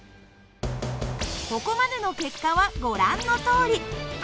ここまでの結果はご覧のとおり。